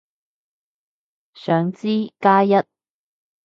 想知，加一